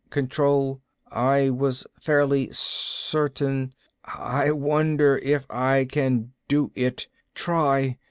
Control. I was fairly certain.... I wonder if I can do it. Try...."